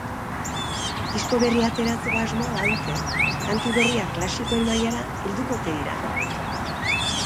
Disko berria ateratzeko asmoa badute, kantu berriak klasikoen mailara helduko ote dira?